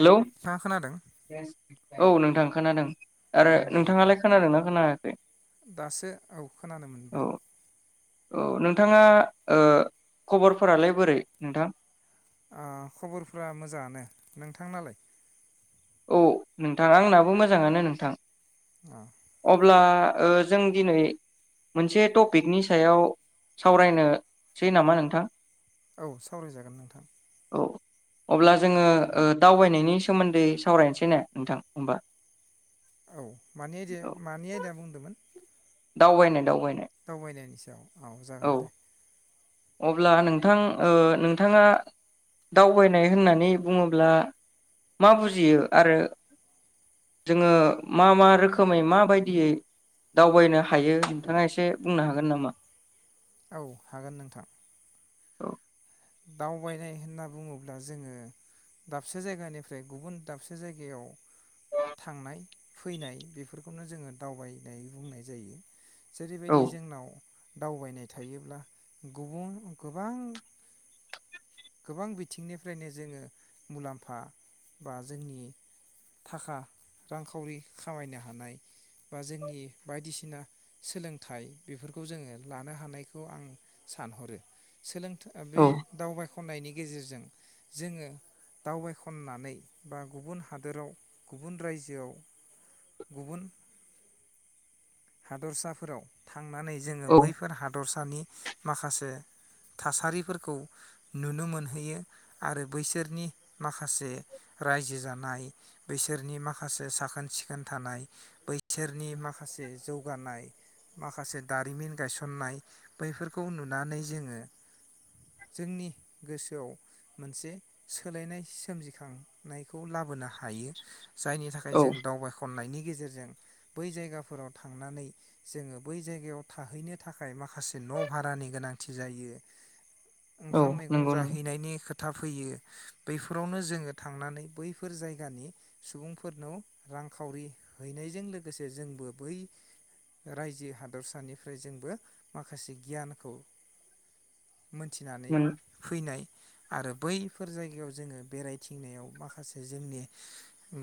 Hello. नोंथाङा खोनादों औ नोंथां खानादों। आरो अ नोंथाङालाय खोनादोंना खोनाया दासो औ खोनानो औ मोनबाय। औ नोंथाङा ओ खबरफोरालाय बोरै नोंथां? आ खबरफ्रा मोजाङानो। नोंथांनालाय? औ नोंथां आंनाबो मोजाङानो नोंथां। अ अब्ला ओ जों दिनै मोनसे टपिकनि सायाव सावरायनोसै नामा नोंथां? औ सावरायजागोन नोंथां। औ अब्ला जोङो दावबायनायनि सोमोन्दै सावरायनोसै ने नोंथां होमबा। औ मानि औ [unintelligible] मानि आयदाया बुंदोंमोन? दावबायनाय दावबायनाय। दावबायनायनि सायाव। औ जागोन दे। अब्ला नोंथां ओ नोंथाङा दावबायनाय होन्नानै बुङोब्ला मा बुजियो आरो जोङो मा मा रोखोमै माबायदियै दावबायनो हायो नोंथाङा एसे बुंनो हागोन नामा? औ हागोन नोंथां। औ। दावबायनाय होन्ना बुङोब्ला जोङो दाबसे जायगानिफ्राय गुबुन दाबसे जायगायाव थांनाय फैनाय बेफोरखौनो जोङो दावबायनाय बुंनाय जायो। औ जेरैबायदि जोंनाव दावबायनाय थायोब्ला गुबुन गोबां गोबां बिथिंनिफ्रायनो जोङो मुलाम्फा बा जोंनि थाखा रांखावरि खामाय हानाय बा जोंनि बायदिसिना सोलोंथाय बेफोरखौ जोङो लानो हानायखौ आं सानहरो। सोलों थाया बे दावबाय खन्नायनि गेजेरजों जोङो दावबायखन्नानै बा गुबुन हादोराव गुबुन रायजोआव गुबुन हादरसाफोराव था थांनानै जोङो औ बैफोर हादर सानि माखासे थासारिफोरखौ नुनो मोनहैयो आरो बैसोरनि माखासे रायजो जानाय बैसोरनि माखासे साखोन सिखोन थानाय बैसोरनि माखासे जौगानाय माखासे दारिमिन गायसन्नाय बैफोरखौ नुनानै जोङो जोंनि गोसोआव मोनसे सोलायनाय सोमजिखांनाय खौ लाबोनो हायो। जायनि थाखाय औ जों दावबायखन्नायनि गेजेरजों बै जायगाफोराव-् थांनानै जोङो बै जायगायाव थाहैनो थाखाय माखासे न भारानि गोनांथि जायो। औ ओंखाम मैगं नंगौ नंगौ जाहैनायनि खो खोथा फैयो बैफोरावनो जोङो थांनानै बैफोर जायगानि सुबुंफोरनाव रांखावरि हैनायजों लोगोसे जोंबो बै रायजो हादरसानिफ्राय जोंबो माखासे गियानखौ मोन्थिनानै फैनाय आरो बैफोर जायगायाव जोङो बेरायथिंनायाव माखासे जोंनि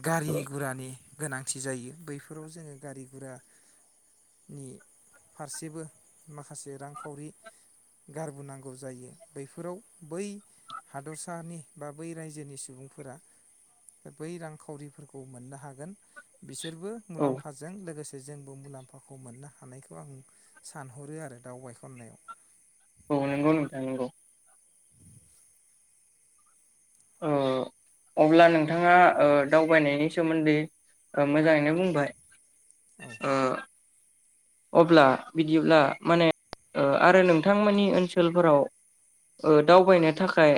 गारि गुरानि गोनां। थि जायो बैफोराव जोङो गारि गुरा नि फारसेबो माखासे रांखावरि गारबोनांगौ जायो बैफोराव बै हादरसानि बा बै रायजोनि सुबुंफोरा बै रांखावरिफोरखौ मोन्नो हागोन। बिसोरबो औ मुलाम्फाजों लोगोसे बे जोंबो मुलाम्फाखौ मोननो हानायखौ आं सानहरो आरो दावबायखननायाव औ नंगौ नोंथां नंगौ। ओ अब्ला नोंथाङा दावबायनायनि सोमोन्दै मोजाङैनो बुंबाय औ ओ अब्ला बिदिब्ला माने आरो नोंथांमोननि ओनसोलफोराव दावबायनो थाखाय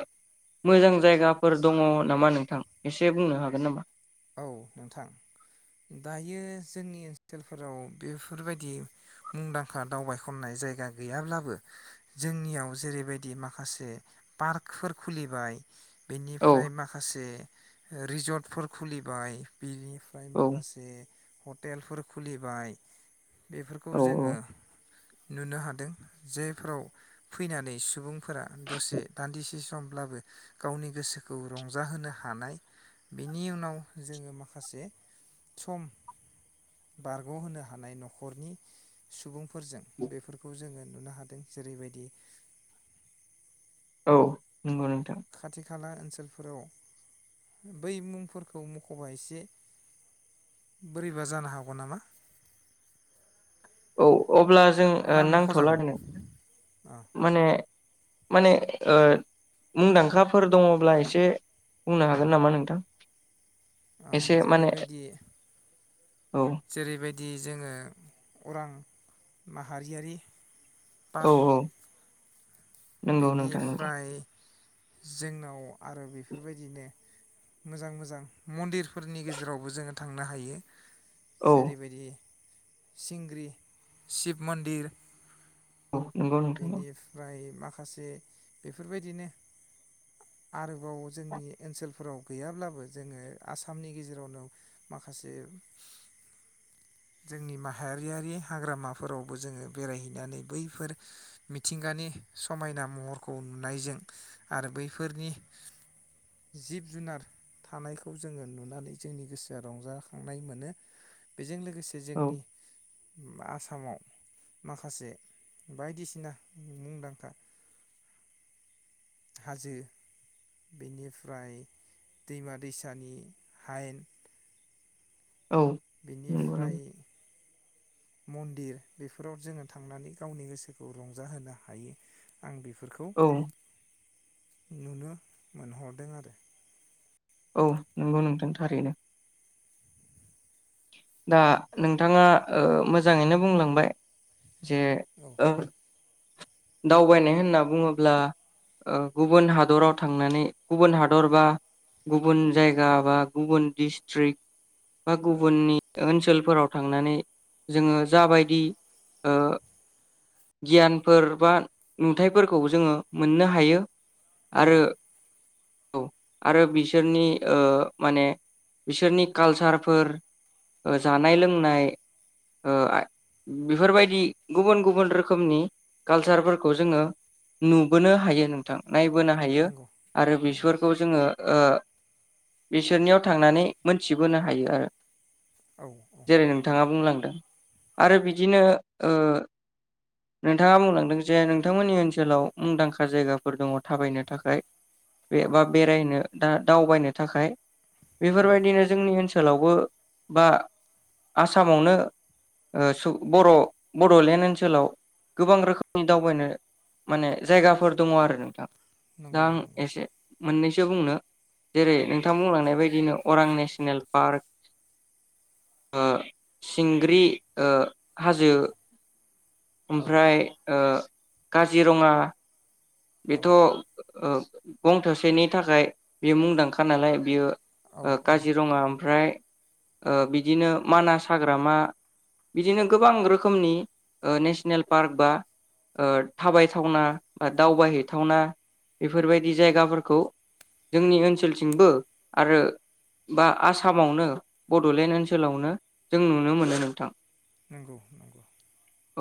मोजां जायगाफोर दङ नामा नोंथां एसे बुंनो हागोन नामा? औ नोंथां दायो जोंनि ओनसोलफोराव बेफोरबायदि मुंदांखा दावबाय खननाय जायगा गैयाब्लाबो जोंनियाव जेरैबायदि माखासे पार्कफोर खुलिबाय औ बेनिफ्राय माखासे रिजर्टफोर खुलिबाय बिनिफ्राय औ माखासे हटेलफोर खुलिबाय बेफोरखौ औ औ जोङो नुनो हादों जायफोराव फैनानै सुबुं फोरा दसे दान्दिसे सम ब्लाबो गावनि गोसोखौ रंजाहोनो हानाय बिनि उनाव जोङो माखासे सम बारगहोनो हानाय न'खरनि सुबुंफोरजों बेफोरखौ जोङो नुनो हादों जेरैबायदि औ नंगौ नोंथां खाथि खाला ओनसोलफोराव बै मुंफोरखौ मखबा एसे बोरैबा जानो हागौ नामा औ अब्ला जों ना मख'जागोन नांथलानो औ माने माने ओ मुंदांखाफोर दङब्ला एसे बुंनो हागोन नामा नोंथां? एसे माने जेरैबायदि औ जेरैबायदि दि जोङो अरां माहारियारि औ पार्क औ। नंगौ नोंथां नंगौ बेनिफ्राय जोंनाव आरो बिफोरबायदिनो मोजां मोजां मन्दिर फोरनि गेजेरावबो जोङो थांनो हायो। औ जेरैबायदि सिंग्रि शिब मन्दिर। औ नंगौ नोंथां बेनिफ्राय माख माखासे बेफोरबायदिनो आरोबाव जोंनि ओनसोलफोराव गैयाब्लाबो जोङो आसामनि गेजेरावनो माखासे जोंनि माहारियारि हाग्रामाफोरावबो जोङो बेरायहैनानै बैफोर मिथिंगानि समायना महरखौ नुनायजों आरो बैफोरनि जिब जुनार थानायखौ जोङो नुनानै जोंनि गोसोआ रंजाखांनाय मोनो बेजों लोगो गोसे औ जोंनि। उम आसामाव माखासे बायदिसिना मुंदां खा हाजो बेनिफ्राय दैमा दैसानि हायेन। औ नंगौ नंगौ बिनिफ्राय मन्दिर बेफोराव जोङो थांनानै गावनि गोसोखौ रंजाहोनो हायो। आं बिफोरखौ औ नुनो मोनहरदों आरो। औ नंगौ नोंथां थारैनो। दा नोंथाङा ओ मोजाङैनो बुंलांबाय। जे औ ओ दावबायनाय होनना बुङोब्ला ओ गुबुन हादराव थांनानै गुबुन हादर बा गुबुन जायगा बा गुबुन डिस्ट्रिक्ट बा गुबुननि ओनसोलफोराव थांनानै जोङो जाबायदि ओ गियानफोर बा नुथाइफोरखौ जोङो मोननो हायो। आरो। नंगौ औ आरो बिसोरनि ओ माने बिसोरनि कालचारफोर ओ जानाय लोंनाय ओ बेफोरबायदि गुबुन गुबुन रोखोमनि। कालचारफोरखौ जोङो नुबोनो हायो नोंथां नाय बोनो हायो नंगौ आरो नंगौ बिसोर खौ जोङो ओ बिसोरनियाव थांनानै मोनथिबोनो हायो आरो। औ जेरै नोंथाङा बुंलां आरो बिदिनो ओ नों नोंथाङा बुंलांदों जे नोंथांमोननि ओनसोलाव मुंदांखा जायगाफोर दङ थाबायनो थाखाय। औ एबा बेरायनो। दा दावबायनो थाखाय। औ बेफोरबायदिनो जोंनि ओनसो ओनसोलावबो बा आसामावनो ओ सो बर बड लेण्ड ओनसोलाव गोबां रोखोमनि दावबायनो माने जायगाफोर दङ आरो नोंथां। दा नंगौ आं नंगौ एसे मोननैसो सो बुंनो जेरै औ नोंथां बुंलांनाय बायदिनो अरां नेश नेल पार्क सिंग्रि हाजो औ ओमफ्राय ओ काजिरङा औ बेथ ओ गं थसेनि थाखाय बेयो मुंदांखा नालाय बियो। औ ओ औ काजिरङा ओमफ्राय ओ बिदिनो मानास हाग्रामा बिदिनो गोबां रोखोमनि ओ नेसनेल पार्क बा ओ थाबायथावना बा दावबायहैथावना बेफोरबायदि जायगाफोरखौ जोंनि ओनसोलथिंबो आरो बा आसामावनो बडलेण्ड ओनसोलावनो जों नुनो मोनो नोंथां। नंगौ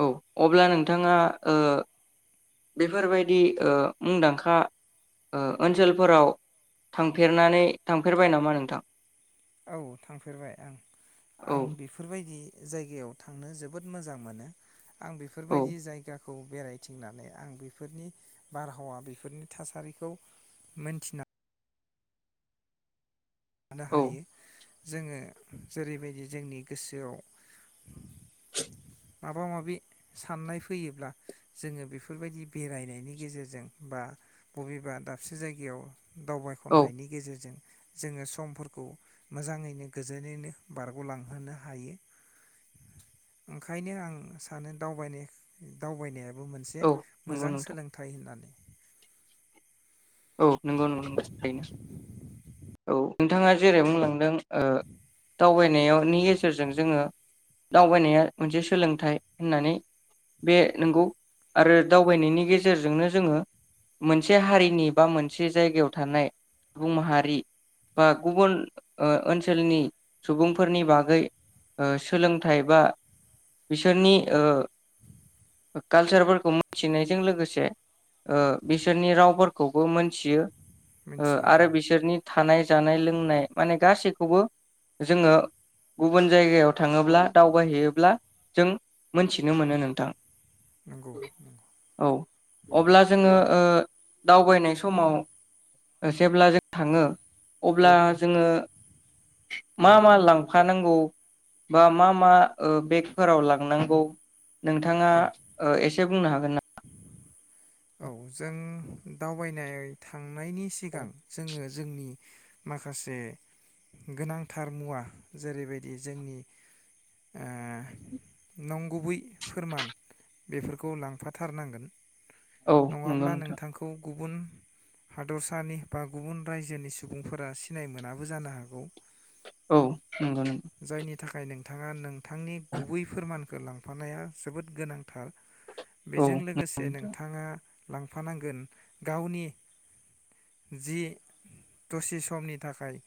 औ अब्ला नोंथाङा ओ बेफोरबायदि‌ ओ मुंदांखा ओ ओनसोलफोराव थांफेरनानै थांफेरबाय नामा नोंथां? औ थांफेरबाय औ आं-आं बेफोरबायदि जायगायाव थांनो जोबोद मोजां मोनो। आं औ बेफोरबायदि जायगा खौ बेरायथिंनानै आं बेफोरनि बारहावा बेफोरनि थासारिखौ मोनथिना नुनो औ हायो जोङो जेरैबायदि जोंनि गोसोआव माबा माबि साननाय फैयोब्ला जोङो बेफोरबायदि बेरायनायनि गेजेरजों बा बबेबा दाबसे जायगायाव औ दावबायखननायनि गेजेरजों जोङो सु समफोरखौ मोजाङैनो गोजोनैनो बारगलांहोनो हायो ओंखायनो आं सानो दावबायनाय दावबायनाया बु मोनसे औ नंगौ मोजां नोंथां सोलोंथाइ होननानै। औ नंगौ नगौ थनो औ नोंथाङा जेरै बुंलांदों ओ दावबायनायनि गेजेरजों जोङो दावबायनाया मोनसे सोलोंथाइ होननानै बे नंगौ आरो दावबायनायनि गेजेरजोंनो जोङो मोनसे हारिनि बा मोनसे जायगायाव थानाय सुबुं माहारि बा गुबुन ओ ओनसोलनि सुबुंफोरनि बागै ओ सोलोंथाइ बा बिसोरनि ओ कालसारफोरखौ मिथिनायजों ओ लोगोसे बिसोरनि रावफोरखौ बा खौबो मोनथियो ओ मिथियो औ आरो बिसोरनि थानाय जानाय लोंनाय माने गासैखौबो जोङो गुबुन जायगायाव थाङोब्ला दावबायहैयोब्ला जों मोनथिनो मोनो नोंथां। नंगौ औ अब्ला जोङो ओ दावबायनाय समाव जेब्ला जों थाङो अब्ला जोङो मा मा लांफानांगौ बा मा मा ओ बेगफोराव लांनांगौ? नोंथाङा औ ओ एसे एसे बुंनो हागोन ना? औ जों दावबायनाय थां नायनि सिगां जोङो जोंनि माखासे गोनांथार मुवा जेरैबायदि जोंनि ओ नंगुबै फोरमान बेफोरखौ लांफाथारनांगोन औ नंगौ नङाब्ला नोंथां नोंथांखौ गुबुन हादरसानि बा गुबुन रायजोनि सुबुंफोरा सिनाय मोनाबो जानो हागौ औ नंगौ नंगौ जायनि थाखाय नोंथाङा नोंथांनि गुबै फोरमानखौ लांफानाया जोबोद गोनांथार औ बेजों लोगोसे नों थां नोंथाङा लांफानांगोन गावनि जि दसे समनि थाखाय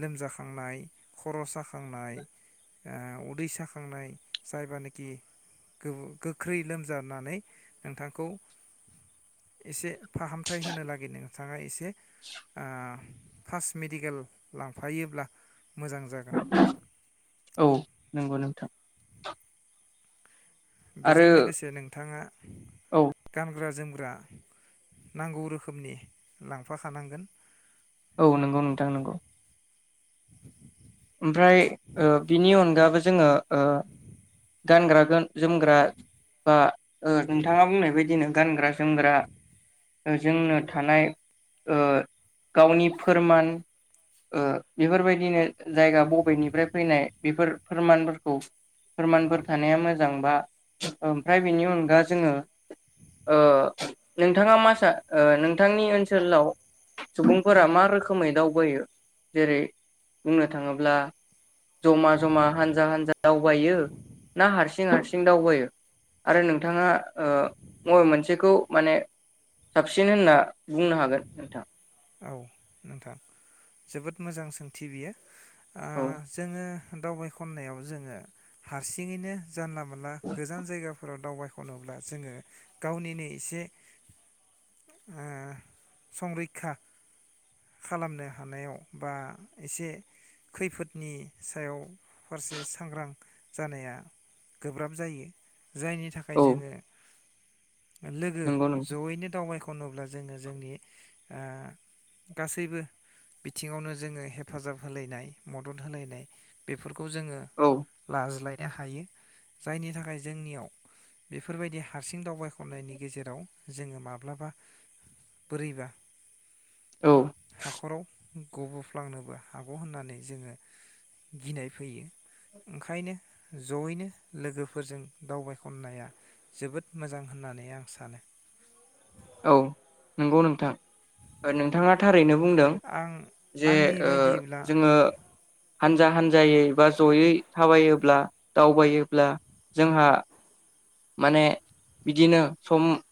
लोमजाखांनाय खर साखा खांनाय ओ उदै साखांनाय जायबानोखि गोबो गोख्रै लोमजानानै नोंथांखौ एसे फाहामथाय होनो लागि नोंथाङा एसे ओ फास मेडिकेल लांफायोब्ला मोजां जागोन औ नंगौ नों थां बेजों आरो लोगोसे नोंथाङा औ गानग्रा जोम ग्रा नांगौ रोखोमनि लांफाखानांगोन औ नंगौ नोंथां नंगौ ओमफ्राय ओ बिनि अनगाबो जोङो ओ गानग्रा गान जोमग्रा बा ओ नोंथाङा बुंनाय बायदिनो गानग्रा जोमग्रा ओ जोंनो थानाय ओ गावनि फोरमान ओ बेफोरबायदिनो जायगा बबेनिफ्राय फैनाय बेफोर फोरमानफोरखौ फोरमानफोर थानाया मोजां बा ओमफ्राय बेनि अनगा जोङो ओ नोंथाङा मा सा नोंथांनि ओनसोलाव सुबुंफोरा मा रोखोमै दावबायो जेरै बुंनो थाङोब्ला जमा जमा हानजा हानजा दावबायो ना हारसिं हारसिं दावबायो आरो नोंथाङा ओ मबे मोनसेखौ माने साबसिन होनना बुंनो हागोन नोंथां? औ नोंथां जोबोद मोजां सोंथि बियो। आ औ जोङो दावबाय खनायाव जोङो हारसिङैनो जानला मोनानला गोजान जायगाफोराव दावबायखनोब्ला जोङो गावनिनो एसे ओ संरैखा खालामनो हानायाव बा एसे खैफोदनि सायाव फारसे सांग्रां जानाया गोब्राब जायो जायनि थाखाय औ जोङो लोगो नंगौ नोंथां जयैनो दावबायख खनोब्ला जोङो जोंनि ओ गासैबो बिथिङावनो जोङो हेफाजाब होलायनाय मदद होलायनाय बेफोर खौ जोङो औ लाज्लाय हायो जायनि थाखाय जोंनियाव बेफोरबायदि हारसिं दावबायखननायनि गेजेराव जोङो माब्लाबा बोरैबा औ हाखराव गबफ्लांनोबो हागौ होननानै जोङो गिनाय फैयो ओंखायनो जयैनो लोगोफोरजों दावबायखननाया जोबोद मोजां होननानै आं सानो। औ नंगौ नोंथां। नोंथाङा थारैनो बुंदों आं जे आंनि ओ बायदिब्ला जोङो हानजा हानजायै बा जयै थाबायोब्ला दावबायोब्ला जोंहा माने बिदिनो सम